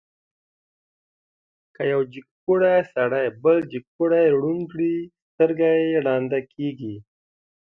که یو جګپوړی سړی بل جګپوړی ړوند کړي، سترګه یې ړنده کېږي.